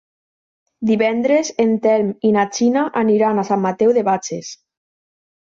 Divendres en Telm i na Gina aniran a Sant Mateu de Bages.